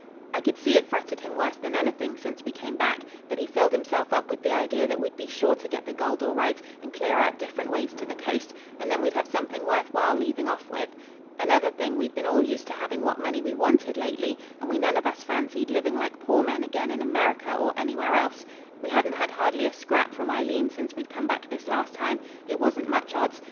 I could see it fretted him worse than anything since we came back, but he filled himself up with the idea that we'd be sure to get the gold all right, and clear out different ways to the coast, and then we'd have something worth while leaving off with. Another thing, we'd been all used to having what money we wanted lately, and we none of us fancied living like poor men again in America or anywhere else. We hadn't had hardly a scrap from Aileen since we'd come back this last time. It wasn't much odds.